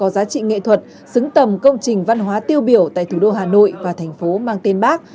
có giá trị nghệ thuật xứng tầm công trình văn hóa tiêu biểu tại thủ đô hà nội và thành phố mang tên bác